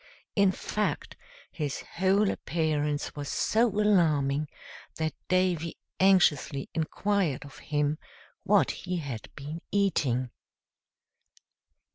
In fact, his whole appearance was so alarming that Davy anxiously inquired of him what he had been eating.